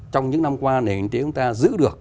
trong những năm qua nền tiến chúng ta giữ được